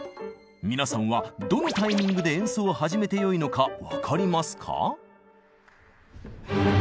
皆さんはどのタイミングで演奏を始めてよいのか分かりますか？